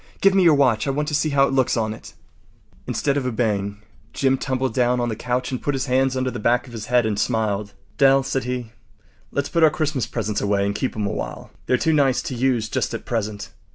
Give me your watch. I want to see how it looks on it.” Instead of obeying, Jim tumbled down on the couch and put his hands under the back of his head and smiled. “Dell,” said he, “let’s put our Christmas presents away and keep ’em a while. They’re too nice to use just at present.